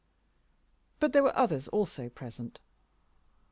But there were others also present.